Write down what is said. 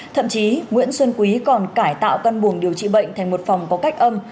thậm chí nguyễn xuân quý còn cải tạo căn buồng điều trị bệnh thành một phòng có cách âm